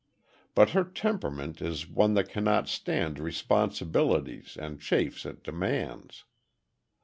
But her temperament is one that cannot stand responsibilities and chafes at demands.